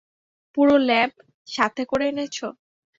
পুরো ল্যাব সাথে করে এনেছো?